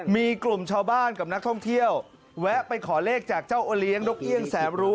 มีกลุ่มชาวบ้านกับนักท่องเที่ยวแวะไปขอเลขจากเจ้าโอเลี้ยงนกเอี่ยงแสนรู้